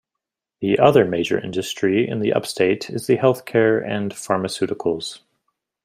The other major industry in the Upstate is the healthcare and pharmaceuticals.